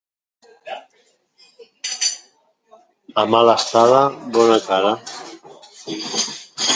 A mala estada, bona cara.